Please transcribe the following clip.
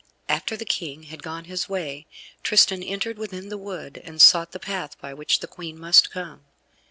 After the King had gone his way, Tristan entered within the wood, and sought the path by which the Queen must come.